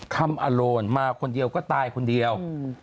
คำอโลนมาคนเดียวก็ตายคนเดียว